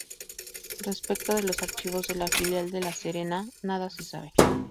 Respecto de los archivos de la filial de La Serena, nada se sabe.